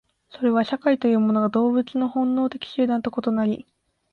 それは社会というものが動物の本能的集団と異なり、